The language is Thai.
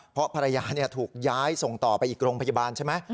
เพราะภรรยาถูกย้ายส่งต่อไปอีกโรงพยาบาลใช่ไหม